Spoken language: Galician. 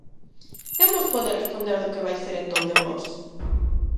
Quen vos pode responder do que vai ser entón de vós?